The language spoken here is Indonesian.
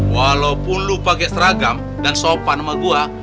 walaupun lu pake seragam dan sopan sama gue